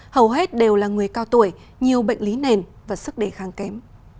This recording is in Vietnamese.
hầu hết đều là người cao tuổi nhiều bệnh lý nền và sức đề kháng kém